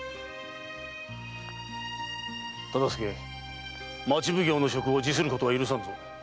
忠相町奉行の職を辞することは許さぬぞ。